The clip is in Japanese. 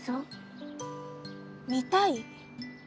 「見たい」？